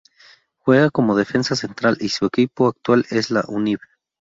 Juega como defensa central y su equipo actual es la Univ.